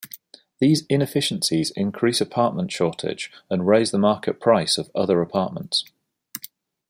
These inefficiencies increase apartment shortage and raise the market price of other apartments.